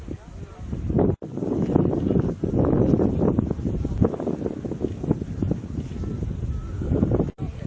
สุดท้ายเมื่อเวลาสุดท้าย